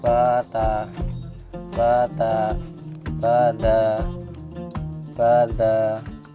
batah batah batah batah